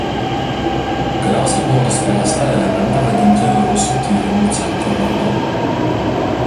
Galiausiai buvo nuspręsta elementą vadinti rusų tyrimų centro vardu.